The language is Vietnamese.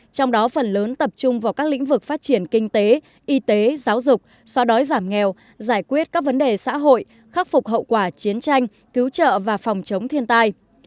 trong đó phần lớn tập trung vào các lĩnh vực phát triển kinh tế y tế giáo dục xóa đói giảm nghèo giải quyết các vấn đề xã hội khắc phục hậu quả chiến tranh cứu trợ và phòng chống thiên tai